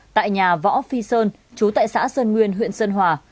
tại nhà võ phi sơn chú tại xã sơn nguyên huyện sơn hòa